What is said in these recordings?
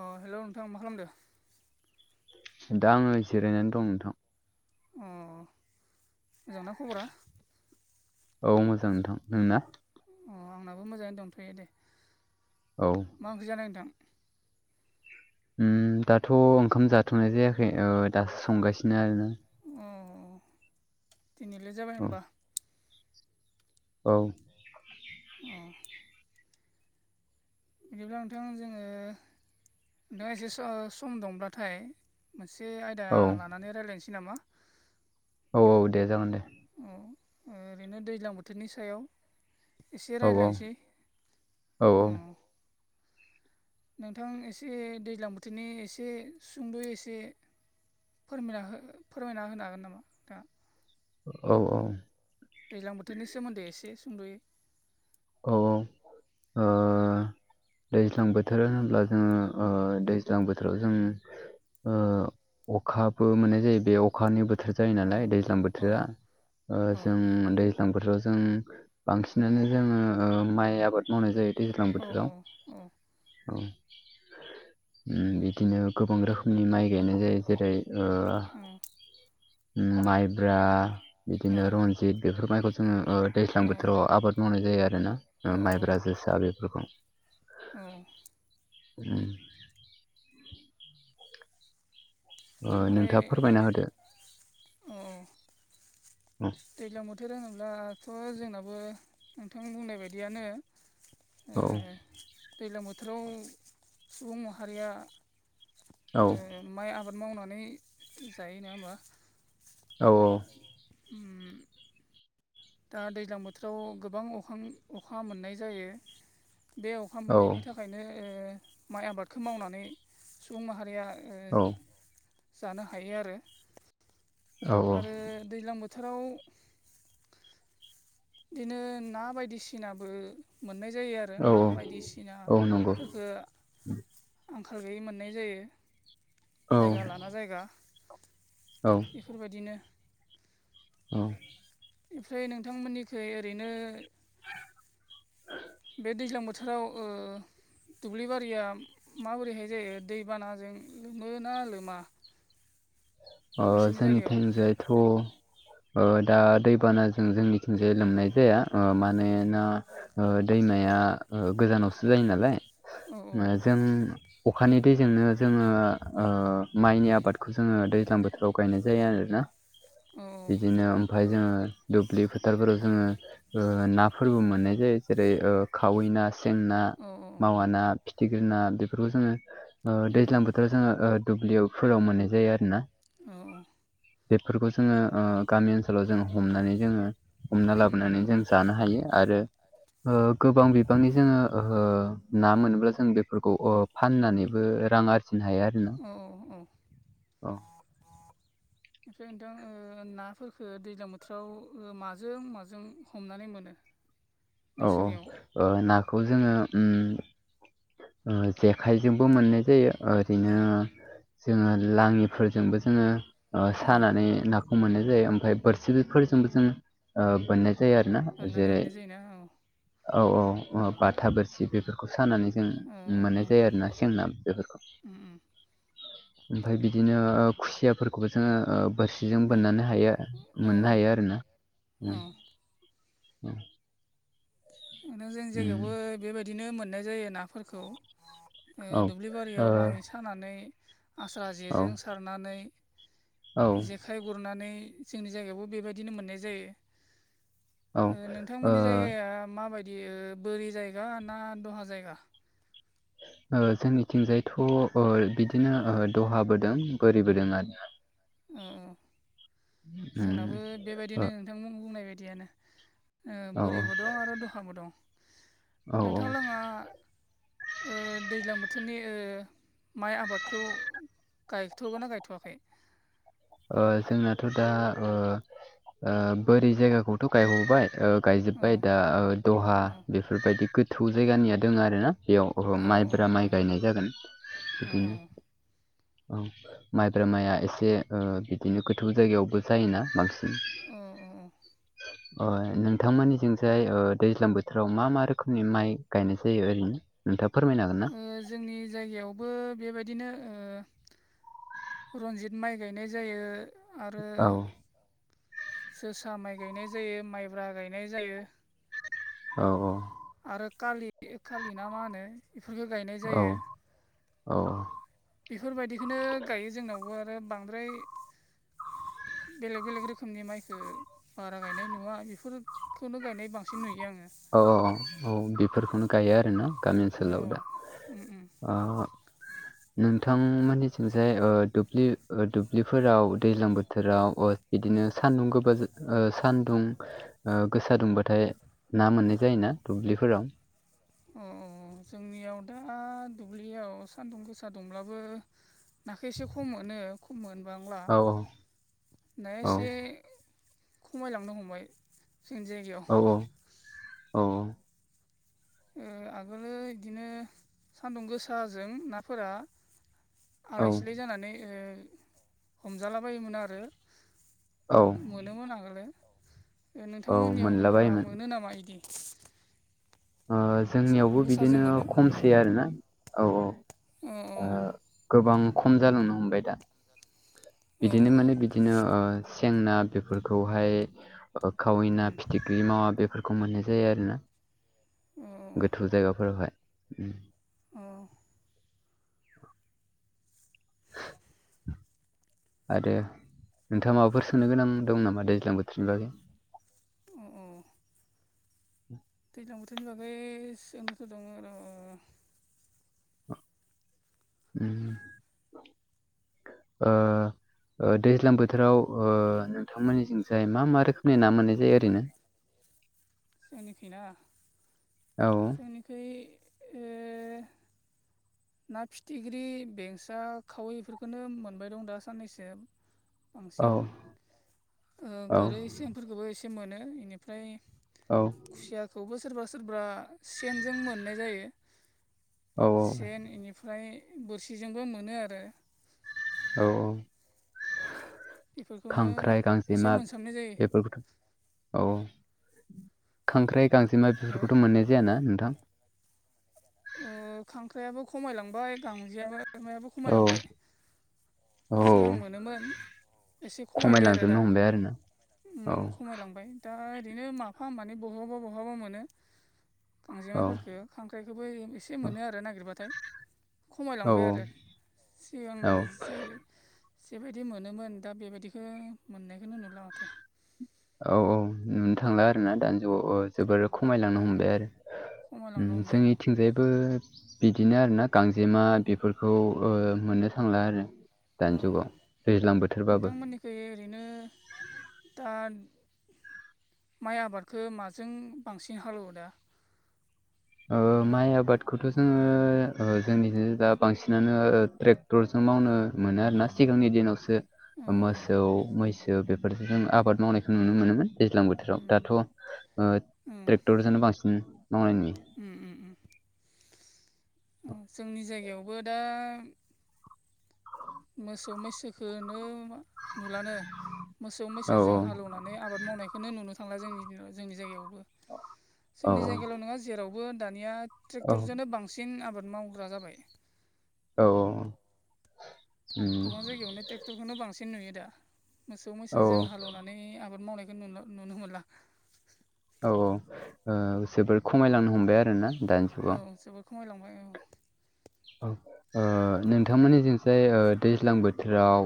अ hello नोंथां मा खालामदो? दा आङो जिरायनानै दं नोंथां। अ मोजांना खबरा? औ मोजां नोंथां नोंना? अ आंनाबो मोजाङैनो दंथ'यो दे। औ। मा ओंख्रि जानाय नोंथां? ओम दाथ' ओंखाम जाथ'नाय जायाखै दासो संगासिनो आरोना। अ दिनै लेथ जाबाय औ होमबा? औ। अ। बिदिब्ला नोंथां जोङो नोंथाङा एसे सम दंब्लाथाय मोनसे आयदा औ लानानै रायज्लायनोसै नामा? औ औ दे जागोन दे। औ ओरैनो दैज्लां बोथोरनि सायाव एसे औ औ रायज्लायनोसै औ। नोंथां एसे दैज्लां बोथोरनि एसे सुंद एसे फोरमायना हो फोरमायना होनो हागोन नामा? दा औ औ। दैज्लां बोथोरनि सोमोन्दै एसे सुंद'यै औ ओ दैज्लां बोथोर होनोब्ला जोङो ओ दैज्लां बोथोराव जों ओ अखाबो मोननाय जायो बेयाव अखानि बोथोर जायो औ नालाय दैज्लां औ बोथोरा ओ औ जों दै दैज्लां बोथोराव जों बांसिनानो जोङो ओ माइ आबाद मावनाय जायो दैज्लां अ बोथोराव। अ। औ बिदिनो गोबां रोखोमनि माइ गायनाय जायो जेरै ओ माइब्रा अ बिदिनो रनजित रनजिद बेफोर माइखौ जोङो दैज्लां बोथोराव आबाद मावनाय जायो आरोना अ माइब्रा जोसा बेफोरखौ उम [inaudible] ओ ओमफ्राय नोंथाङा फोरमायना होदो अ दैज्लां बोथोर होनोब्लाथ जोंनाबो नोंथां बुंनाय बायदियानो औ दैलां बोथोराव सुबुं माहारिया औ माइ आबाद मावनानै जायो नङा होमबा औ औ उम दा दैज्लां बोथोराव गोबां अखा अखा मोननाय जायो बे अखा औ मोननायनि थाख खायनो माइ आबादखौ मावनानै सुबुं माहारिया औ जानो हायो आरो औ आरो दैज्लां बोथोराव बिदिनो ना बायदिसिनाबो मोननाय जायो आर रो औ ना औ नंगौ बायदिसिनाफोरखो आंखाल गैयै मोननाय जायो औ [inaudible] औ बेफोरबायदिनो औ ओफ्राय नोंथांमोननिखै ओरैनो बे दैज्लां बोथ थोराव ओ दुब्लिबारिया माबोरैहाय जायो दैबानाजों लोमोना लोमा नोंसोरनि जायगायाव जोंनिथिं जाइथ दा दैबानाजों जोंनि थिंजाय लोमनाय जाया मानोना दैमाया गोजानावसो जायो नालाय औ जों अखानि दैजोंनो जोङो माइनि आबादखौ जोङो दै दैज्लां बोथोराव गायनाय जायो आरोना औ बिदिनो ओमफाय जोङो दुब्लि फोथारफोराव जोङो नाफोरबो मोननाय जायो जेरै खावै ना सें ना, औ मावा ना, फिथिख्रि ना बेफोरखौ जोङो दैज्लां बोथोराव जोङो ओ दुब्लियाव फोराव मोननाय जायो आरोना औ औ बेफोरखौ जोङो गामि ओनसोलाव जोङो हमनानै जोङो हमना लाबोनानै जों जानो हायो आरो ओ गोबां बिबांनि जोङो ओ ना मोनोब्ला जों बेफोरखौ ओ फाननानैबो रां आरजिनो हायो आरो औ औ औ ओमफ्राय नोंथां नाफोरखो दैज्लां बोथोराव माजों माजों हमनानै मोनो [inaudible] औ औ ओ नाखौ जोङो जेखाइजोंबो मोननाय जायो ओरैनो औ जोङो लाङिफोरजोंबो जोङो औ सानानै ना खौ मोननाय जायो ओमफ्राय बोरसिफोरजोंबो जों बोननाय जायो आरो ना जेरै बेनो औ औ औ औ बाथा बोरसि बेफोरखौ सानानै जों औ मोननाय जायो आरोना सें ना बेफोरखौ औ ओमफाय बिदिनो खुसियाफोरखौबो जोङो बोरस सिजों बोननानै हायो औ मोननो हायो आरो ना औ नोंथां जोंनि उम जायगायावबो बेबायदिनो मोननाय जायो नाफोरखौ। ओ औ दुब्लि ओ बारियाव लाङि औ सानानै आस्रा जेजों सार नानै औ जे खाइ गुरनानै जोंनि जायगायावबो बेबायदिनो मोननाय जायो ओ नोंथांमोननि जायगा या मााबायदि बोरि जायगा ना दलहा जायगा? ओ जोंनिथिंजायथ' बिदिनो दहाबोदों बोरिबोदों आरोना। उम उम उम जोंनाबो बेबायदिनो ओ नोंथांमोन बुंनाय बायदियानो ओ औ बोरैबो दं आरो दहाबो दं औ नोंथां लोङा ओ दैज्लां बोथोरनि ओ माइ आबादखौ गायथ' गोनना गायथ'वाखै? ओ जोंनाथ' दा ओ बोरि जायगाखौथ' गायबावबाय औ गायजोब्बाय दा दहा औ बेफोरबायदि गोथौ जायगानिया दङ आरोना बेयाव ओ औ माइब्रा माइ गायनाय जागोन बिदिनो औ माइब्रा माइाया एसे बिदिनो गोथौ जायगायावबो जायोना बांसिन औ औ [inaudible] अ नोंथां मोननिथिंजाय ओ दैज्लां बोथोराव मा मा रोखोमनि माइ गायनाय जायो ओरैनो? नोंथाङा फोरमायनो हागोन ना? जोंनि जायगायावबो बेबायदिनो ओ रनजित माइ गायनाय जायो आरो औ जोसा माइ गायनाय जायो माइब्रा गायनाय जायो औ औ आरो खालि खालि ना मा होनो बेफोरखो गायनाय औ जायो औ बेफोरबायदिखौनो गायो जोंनावबो आरो बांद्राय बेलेग बेलेग रोखोमनि माइखो बारा गायनाय नुवा बेफोर खौनो गायनाय बांसिन नुयो आङो औ औ औ बेफोरखौनो गायो आरोना गामि औ उम ओनसोलाव दा उम ओ नोंथां मोननिथिंजाय ओ दुब्लि दुब्लिफोराव दैज्लां बोथोराव ओ बिदिनो सान्दुं गोबा सान्दुं गोसा दुंबाथाय ना मोननाय जायोना दुब्लिफोराव? अ जोंनियाव दा दुब्लियाव सान्दुं गोसा दंब्लाबो नाखौ एसे खम मोनो खम मोनबांला औ नाया औ एसे खमायलांनो हमबाय जोंनि जाय औ औ औ औ ओ आगोलो बिदिनो सानदुं गोसाजों नाफोरा औ आराय सिलाय जानानै हमजाला बायोमोन आरो औ मोनोमोन आगोलो औ नोंथांमोननियाव होनब्ला मोनलाबायोमोन मोनो नामा बिदि? सान्दुं जोंनियावबो बिदिनो गोसाजों मोनो खमसै आरोना औ औ गोबां खम जालांनो हमबाय दा औ बिदिनो माने बि बिदिनो सें ना बेफोरखौहाय खावै ना फिथि बि मावा बेफोरखौ मोननाय जायो आरोना। गोथौ जायगाफोरावहाय औ [inaudible] आरो नोंथांङा माबाफोर सोंनो गोनां दं नामा दैज्लां बोथोरनि बागै अ अ दैज्लां बोथोरनि बागै सोंनोथ' दङ र' उम ओ ओ दैज्लां बोथोराव ओ नोंथांमोननिथिंजाय मा मा रोखोमनि ना मोननाय जायो ओरैनो [inaudible] जोंनिखै ना औ जोंनिखौ ओ ना फिथिख्रि बेंसा खावैफोरखौनो मोनबाय दं दा साननैसो बांसिन औ ओ गोरै औ सेंफोरखौबो एसे मोनो बेनिफ्राय औ खुसियाखौबो सोरबा सोरबा सेनजों मोननाय जायो। औ औ सेन बेनिफ्राय बोरसिजोंबो मोनो आरो औ औ बेफोरखौनो खांख्राइ एसे गांजेमा मोनसाबनाय जायो बेफोरखौ औ खांख्राइ गांजेमा हो बेफोरखौथ' मोननाय जायाना नोंथां? ओ खांख्राइयाबो खमायलांबाय गांजेयमायाबो औ खमायलांबाय। सिगां औ मोनोमोन एसे खमायबाय आरो खमायलांजोबनो दा। हमबाय आरोना उम औ उम खमायलांबाय दा ओरैनो माफा मानै बहाबा बहाबा मोनो औ गांजेमाफोरखो खांख्राइ बेखौबो एसे मोनो आरो नागिरबाथाय। औ खमायलांबाय आरो सिगां औ जि बायदि मोनोमोन दा बेबायदिखौ मोननायखौनो नुला माथो औ औ नुनो थांला आरो ना दानि जुआव औ जोबोर खमायलांनो उम हमबाय आरो खमायलांनो हमदों जोंनिथिंजायबो बिदिनो आरो ना गांजेमा बेफोरखौ ओ मोननो थांला आरो दानि जुगाव दैज्लां बोथोरबाबो गैयो ओरैनो दा माइ आबादखो माजों बांसिन हालेवो दा ओ माइ आबादखौथ' जोंङो जोंनि दा बांसिनानो ट्रेक ट्रेक्टरजों मावनो मोनो आरोना सिगांनि दिनावसो औ मोसौ मैसो बेफोरजों जों आबाद मावनायखौ नुनो मोनोमोन दैज्लां बोथोराव उम दाथ' ओ उम ट्रेक्टरजोंनो बांसिन मावनायनि उम उमम जोंनि जायगायावबो दा मोसौ मैसोखौनो नुलानो मोसौ औ मैसोजों हालेवनानै आबाद मावनायखौनो नुनो थांला जोंनि दिनाव जोंनि जायगायावबो औ जोंनि जायगाल' नंङा जेरावबो दानिया ट्रेक्टरजोंनो बांसिन आबाद मावग्रा जाबाय। औ औ औ उम गोबां जायगायावनो ट्रेक्ट'रखौनो बांसिन नुयो दा मोसौ औ मैसोजों हालौवनाय नानै आबाद मावनायखौ नुनो मोनला। औ औ ओ जोबोर खमायलांनो हमबाय आरो ना दानि औ जुगाव जोबोद खमायलांबाय औ। ओ नोंथांमोननिजिंसाय ओ दैज्लां बोथोराव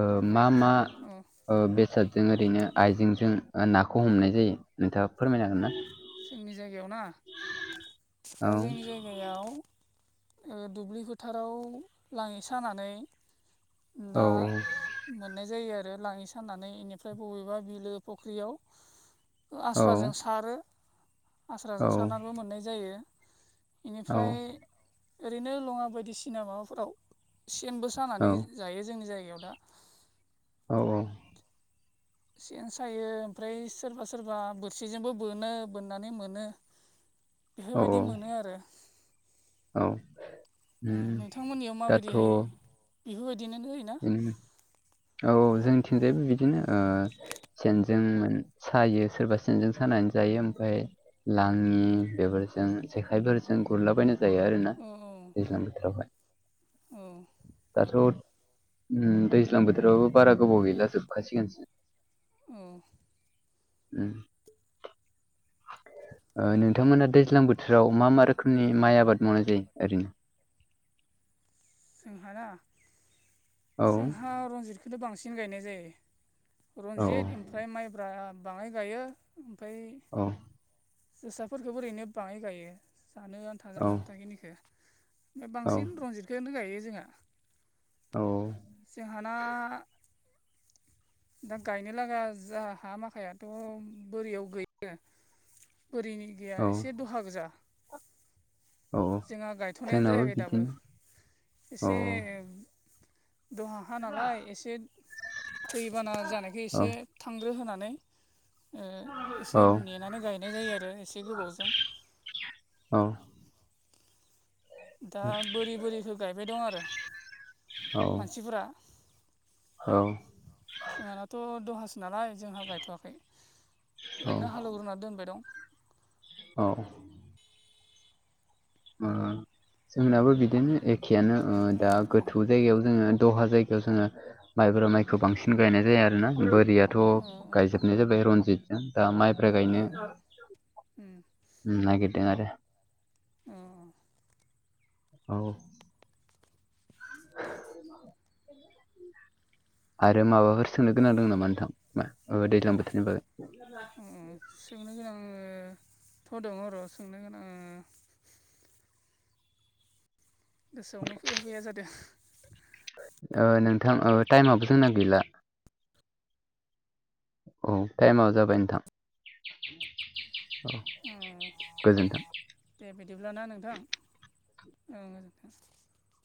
ओ मा मा औ ओ बेसाद जों ओरैनो आयइजेंजों नाखौ हमनाय जायो नोंथाङा फोरमायनो हागोन ना? जोंनि जायगायाव ना दा जोंनि जाय गायाव दुब्लि फोथाराव लाङि सानानै औ दा मोननाय जायो आरो लाङि सानानै बेनिफ्राय बबेबा बिलो फुख्रियाव औ आस्राजों सारो आस्राजों औ सारनाबो मोननाय जायो औ बेनिफ्राय ओरैनो लङा बायदिसिना माबाफोराव सेनबो औ सानानै जायो जोंनि जायगायाव दा औ औ सेन सायो ओमफ्राय सोरबा सोरबा बोरसिजोंबो बोनो बोननानै मोनो। औ बेफोर बायदि मोनो आरो। औ उम नोंथांमोननियाव दाथ' माबायदिहाय बेफोर बायदिनो उम औ औ जोंनिथिंजायबो बिदिनो ओ सेनजों सायो सोरबा सेनजों सानानै जायो ओमफ्राय लाङि औ बेफोरजों जेखाइफोरजों गुरलाबायना जायो आरोना औ दैज्लां बोथोरावहाय औ दाथ' उम दैज्लां बोथोराव बारा गोबाव गैला जोबखासिगोन औ उम ओ नोंथांमोना दैज्लां बोथोराव मा मा रोखोमनि माइ आबाद मावनाय जायो ओरैनो जोंहा ना औ जोंहा रनजितखौनो बांसिन गायनाय जायो औ रनजित इम फ्राय माइब्रा बाङाय गायो ओमफ्राय औ जोसाफोरखौबो ओरैनो बाङाय गायो जानो आन्था जानो आन्था खिनिखो औ बांसिन रनजितखौनो गायो जोंहा औ जोंहाना दा गायनो लागा जा हा माखायाथ' बोरियाव गैयो बोरिनि गैया औ एसे दहा गोजा औ जोंहा गायथ'नायानो जोंनाबो जायाखै दाबो बिदिनो औ एसे दहा हा नालाय एसे दैैबाना जानायखो औ एसे थांग्रो होनानै ओ औ एसे नेनानै गायनाय जायो आरो एसे गोबावजों औ दा बोरि बोरिखौ गायबाय दं आरो मानसिफोरा औ जोंहानाथ' दहासो नालाय जोंहा गायथ'वाखै ओरैनो हालौवग्रोना दोनबाय दं। औ उम जोंनाबो बिदिनो एखेयानो ओ दा गो गोथौ जायगायाव जोङो दहा जायगायाव जोङो माइब्रा माइखौ बांसिन गायनाय जायो आरोना बोरि आ थ' गायजोबनाय जाबाय रनजितजों दा माइब्रा गायनो नागिरदों आरो उम औ [inaudible] आरो माबाफोर सोंनो गोनां दं नामा नोंथां दैज्लां बोथोरनि बागै उम उम सोंनो गोनांथ' दङ र' सोंनो गोनां गोसोआवनो फैया फैया जादो। ओ नोंथां टाइमआबो जोंना गैला। औ टाइमा जाबाय नोंथां औ ओम गोजोन्थों। दे बिदिब्लाना नोंथां औ गोजोनथों।